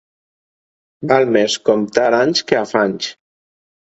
Val més comptar anys que afanys.